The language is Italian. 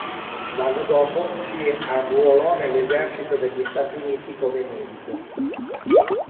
L'anno dopo si arruolò nell'esercito degli Stati Uniti come medico.